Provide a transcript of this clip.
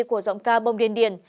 của giọng ca bông điên điền